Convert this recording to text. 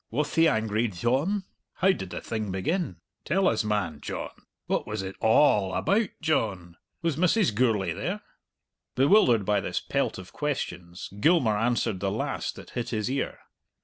"Wath he angry, Dyohn?" "How did the thing begin?" "Tell us, man, John." "What was it a all about, John?" "Was Mrs. Gourlay there?" Bewildered by this pelt of questions, Gilmour answered the last that hit his ear.